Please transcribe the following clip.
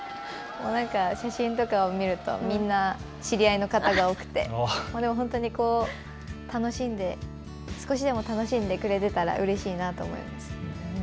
何か写真とかを見るとみんな、知り合いの方が多くて本当に少しでも楽しんでくれたらうれしいなと思います。